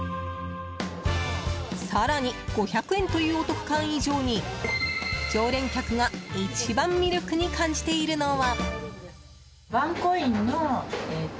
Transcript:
更に、５００円というお得感以上に常連客が一番、魅力に感じているのは。